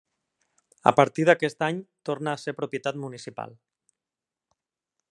A partir d'aquest any torna a ser propietat municipal.